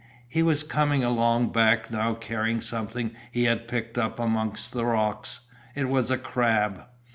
He was coming along back now carrying something he had picked up amongst the rocks. It was a crab.